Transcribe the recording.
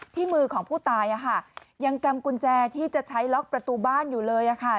มือของผู้ตายยังกำกุญแจที่จะใช้ล็อกประตูบ้านอยู่เลยค่ะ